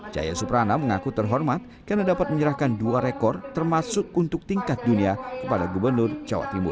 jaya suprana mengaku terhormat karena dapat menyerahkan dua rekor termasuk untuk tingkat dunia kepada gubernur jawa timur